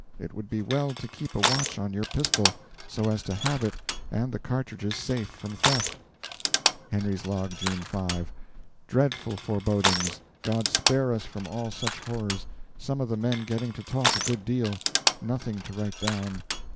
It would be well to keep a watch on your pistol, so as to have it and the cartridges safe from theft. Henry's Log, June 5. Dreadful forebodings. God spare us from all such horrors! Some of the men getting to talk a good deal. Nothing to write down.